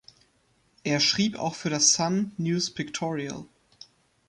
Er schrieb auch für das Sun News Pictorial.